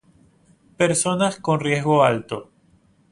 Personas con riesgo alto